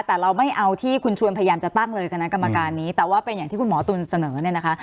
แต่เราไม่เอาที่คุณชวนพยายามจะตั้งเลยคณะกรรมการนี้แต่ว่าเป็นอย่างที่คุณหมอตุ๋นเสนอเนี่ยนะคะ